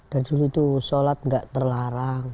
dan dulu itu sholat gak terlarang